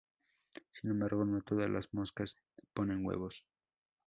Sin embargo, no todas las moscas ponen huevos.